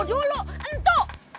tunggu dulu entu